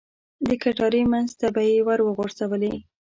د کټارې منځ ته به یې ور وغوځولې.